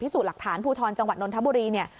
พิสูจน์หลักฐานภูทรจังหวัดนทบุรี